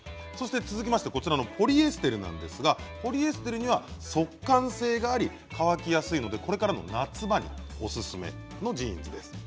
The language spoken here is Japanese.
続きましてポリエステルなんですがポリエステルには速乾性があり乾きやすいので、これからの夏場におすすめのジーンズです。